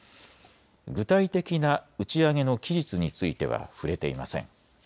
具体的な打ち上げの期日については触れていません。